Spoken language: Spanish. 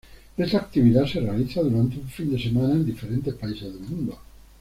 Esta actividad se realiza durante un fin de semana en diferentes países del mundo.